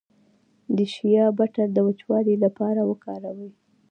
د شیا بټر د وچوالي لپاره وکاروئ